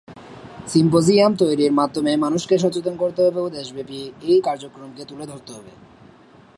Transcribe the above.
Symposium তৈরির মাধ্যমে মানুষকে সচেতন করতে হবে ও দেশব্যাপী এই কার্যক্রমকে তুলে ধরতে হবে।